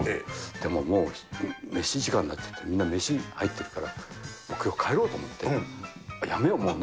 でももう飯時間になっちゃって、みんな飯入ってるから、僕、きょう帰ろうと思って、やめよう、もう。